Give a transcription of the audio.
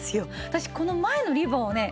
私この前のリボンをね